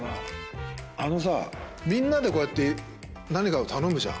あのさみんなでこうやって何かを頼むじゃん。